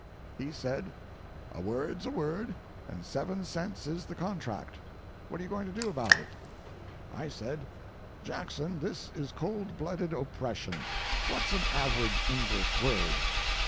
He said, "A word's a word, and seven cents is the contract; what are you going to do about it?" I said, "Jackson, this is cold blooded oppression. What's an average English word?"